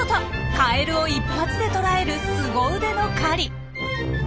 カエルを一発で捕らえるスゴ腕の狩り。